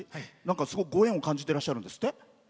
すごく、ご縁を感じてらっしゃるんですって？